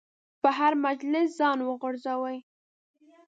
په هر مجلس ځان ورغورځوي.